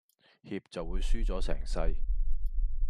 怯就會輸咗成世